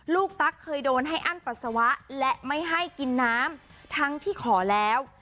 ตั๊กเคยโดนให้อั้นปัสสาวะและไม่ให้กินน้ำทั้งที่ขอแล้ว